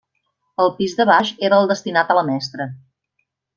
El del pis de baix era el destinat a la mestra.